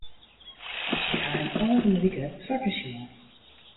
Ik ha him de ôfrûne wike twa kear sjoen.